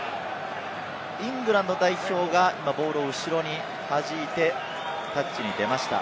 イングランド代表が今、ボールを後ろに弾いて、タッチに出ました。